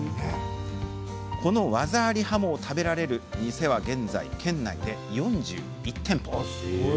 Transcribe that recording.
技あり鱧を食べられる店は現在、県内で４１店舗。